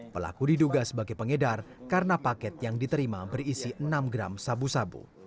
pelaku diduga sebagai pengedar karena paket yang diterima berisi enam gram sabu sabu